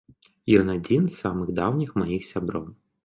Ён адзін з самых даўніх маіх сяброў.